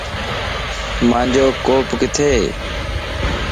مانجو ڪوپ ڪٿيَ